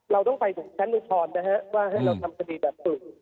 เราต้องไปถึงชั้นอุทธรณ์นะฮะว่าให้เราทำคดีแบบฝึก